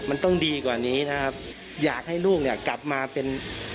มันต้องดีกว่านี้นะครับอยากให้ลูกเนี่ยกลับมาเป็น